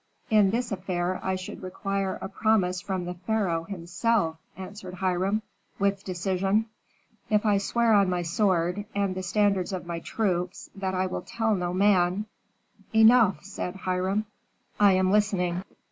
"In this affair I should require a promise from the pharaoh himself," answered Hiram, with decision. "If I swear on my sword, and the standards of my troops, that I will tell no man " "Enough," said Hiram. "I am listening."